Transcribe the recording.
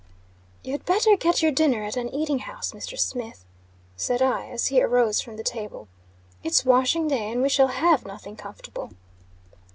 "You'd better get your dinner at an eating house, Mr. Smith," said I, as he arose from the table. "It's washing day, and we shall have nothing comfortable."